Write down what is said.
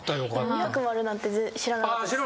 ２００もあるなんて知らなかったです。